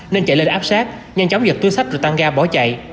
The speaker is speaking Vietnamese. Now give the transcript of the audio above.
nên chạy lên áp sát nhanh chóng giật túi sách rồi tăng ga bỏ chạy